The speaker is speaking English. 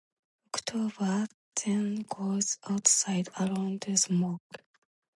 October then goes outside alone to smoke.